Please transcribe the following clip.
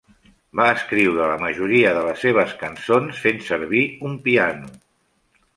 Va escriure la majoria de les seves cançons fent servir un piano.